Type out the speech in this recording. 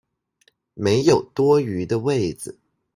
沒有多餘的位子